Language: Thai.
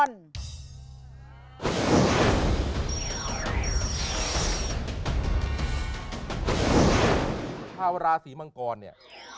ชาวราศีมังกรเนี่ย